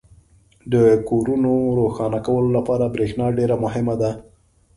• د کورونو روښانه کولو لپاره برېښنا ډېره مهمه ده.